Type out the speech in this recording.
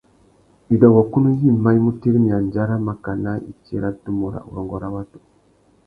Widôngôkunú yïmá i mu tirimiya andjara makana itsi râ tumu râ urrôngô râ watu.